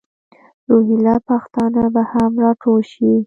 روهیله پښتانه به هم را ټول شي.